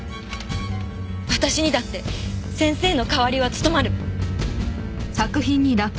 私にだって先生の代わりは務まる！